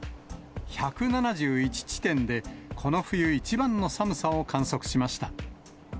１７１地点でこの冬一番の寒さを観測しました。